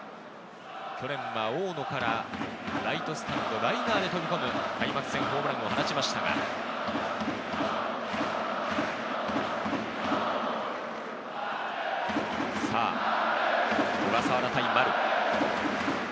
去年は大野からライトスタンド、ライナーで飛び込む開幕戦ホームランを放ちましたが、さぁ小笠原対丸。